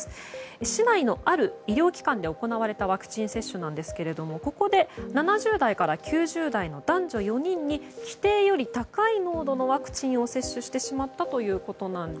市内のある医療機関で行われたワクチン接種なんですがここで７０代から９０代の男女４人に規定より高い濃度のワクチンを接種してしまったと。